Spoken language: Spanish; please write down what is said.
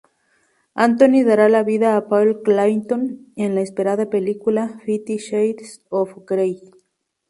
Anthony dará vida a Paul Clayton en la esperada película "Fifty Shades of Grey".